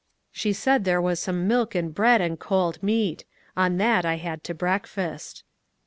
She said there was some milk and bread and cold meat. On that I had to breakfast."